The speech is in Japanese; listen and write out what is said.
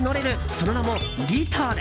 その名も、リトル。